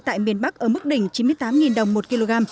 tại miền bắc ở mức đỉnh chín mươi tám đồng một kg